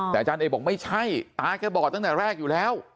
แต่อาจารย์เอกบอกไม่ใช่ตาแกบอกตั้งแต่แรกอยู่แล้ว